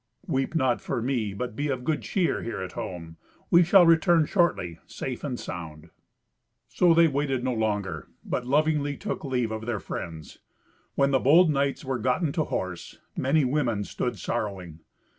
"Weep not for me, but be of good cheer here at home. We shall return shortly, safe and sound." So they waited no longer, but lovingly took leave of their friends. When the bold knights were gotten to horse, many women stood sorrowing.